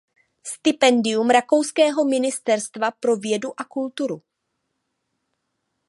Stipendium rakouského Ministerstva pro vědu a kulturu.